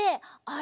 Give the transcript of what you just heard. あ！